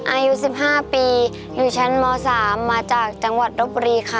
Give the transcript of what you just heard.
อายุ๑๕ปีอยู่ชั้นม๓มาจากจังหวัดรบบุรีค่ะ